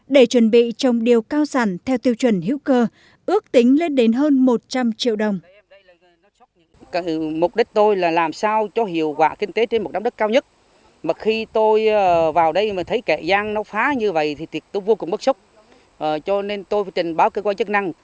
để chuẩn bị trồng điều cao sản theo tiêu chuẩn hữu cơ ước tính lên đến hơn một trăm linh triệu đồng